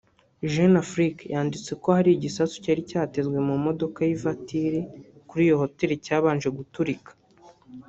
Jeune Afrique yanditse ko hari igisasu cyari cyatezwe mu modoka y’ivatiri kuri iyo hoteli cyabanje guturika